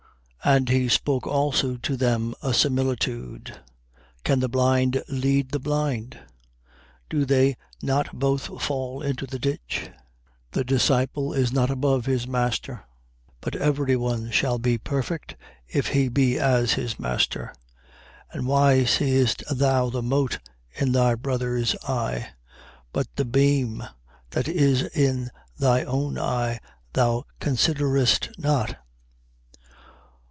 6:39. And he spoke also to them a similitude: Can the blind lead the blind? Do they not both fall into the ditch? 6:40. The disciple is not above his master: but every one shall be perfect, if he be as his master. 6:41. And why seest thou the mote in thy brother's eye: but the beam that is in thy own eye thou considerest not?